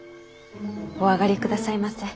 お上がりくださいませ。